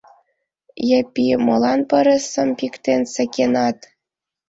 Япи, молан пырысым пиктен сакенат?